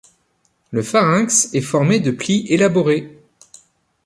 Le pharynx est formé de plis élaborés.